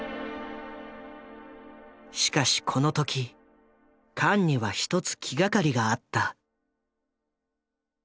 しかしこの時カンには１つ気がかりがあった。